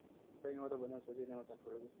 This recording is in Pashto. دا مېوه د بدن سوځیدنه کنټرولوي.